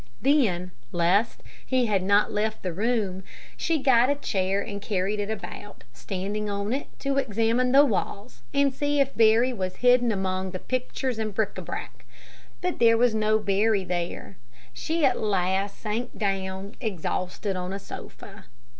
Then, lest he had not left the room, she got a chair and carried it about, standing on it to examine the walls, and see if Barry was hidden among the pictures and bric a brac. But no Barry was there. She at last sank down, exhausted, on a sofa.